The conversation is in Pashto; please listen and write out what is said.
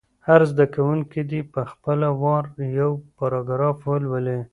هر زده کوونکی دې په خپل وار یو پاراګراف ولولي.